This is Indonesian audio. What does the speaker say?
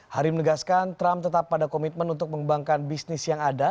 hari menegaskan trump tetap pada komitmen untuk mengembangkan bisnis yang ada